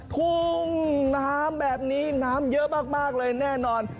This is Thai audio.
ทุ่งน้ำแบบนี้น้ำเยอะมากเลยแน่นอน